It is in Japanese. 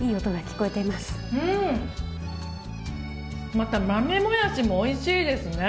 また豆もやしもおいしいですね。